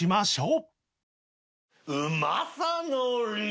うまさのり。